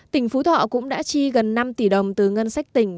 tỉnh phú thọ cũng đã chi gần năm tỷ đồng từ ngân sách tỉnh